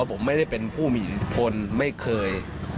ผมไม่ได้เป็นผู้มีอิทธิพลไม่เคย